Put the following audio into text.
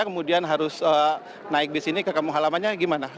kemudian harus naik di sini ke kampung halamannya gimana